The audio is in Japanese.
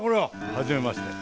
はじめまして。